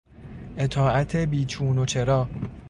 اطاعت بیچون و چرا